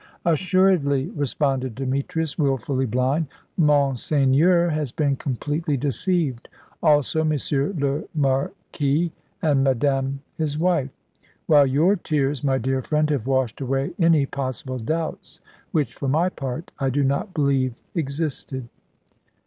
"Assuredly," responded Demetrius, wilfully blind. "Monseigneur has been completely deceived; also M. le Marquis and Madame his wife; while your tears, my dear friend, have washed away any possible doubts which, for my part, I do not believe existed."